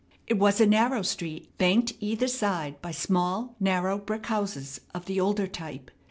It was a narrow street, banked on either side by small, narrow brick houses of the older type.